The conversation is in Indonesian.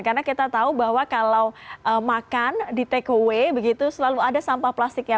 karena kita tahu bahwa kalau makan di takeaway begitu selalu ada sampah plastiknya